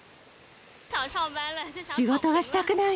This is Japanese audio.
仕事がしたくない。